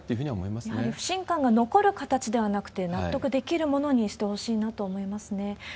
やはり不信感が残る形ではなくて、納得できるものにしてほしいなと思いますね。